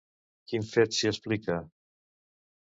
Quin fet s'hi explica?